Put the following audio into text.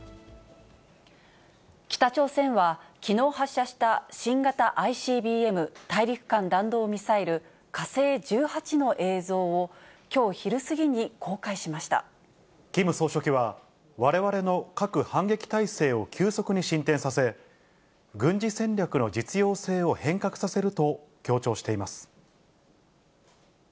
北朝鮮は、きのう発射した新型ＩＣＢＭ・大陸間弾道ミサイル火星１８の映像キム総書記は、われわれの核反撃態勢を急速に進展させ、軍事戦略の実用性を変革させると強調しています。